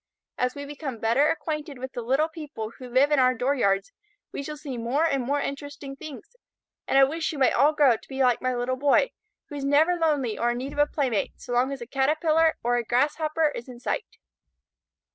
As we become better acquainted with the little people who live in our dooryards, we shall see more and more interesting things, and I wish you might all grow to be like my little boy, who is never lonely or in need of a playmate so long as a Caterpillar or a Grasshopper is in sight.